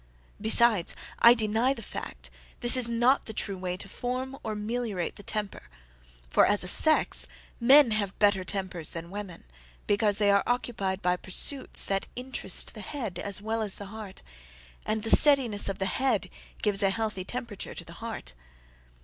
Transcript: Besides, I deny the fact, this is not the true way to form or meliorate the temper; for, as a sex, men have better tempers than women, because they are occupied by pursuits that interest the head as well as the heart; and the steadiness of the head gives a healthy temperature to the heart.